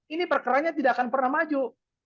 ini perkaranya tidak akan pernah maju